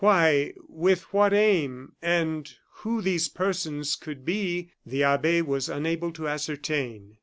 Why, with what aim, and who these persons could be the abbe was unable to ascertain.